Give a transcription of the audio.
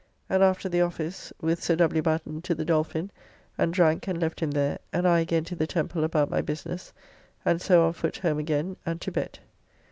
And after the office with Sir W. Batten to the Dolphin, and drank and left him there, and I again to the Temple about my business, and so on foot home again and to bed.